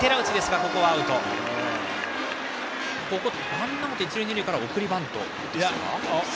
ワンアウト一塁二塁から送りバントですか。